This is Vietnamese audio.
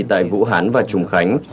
tại vũ hán và trung khánh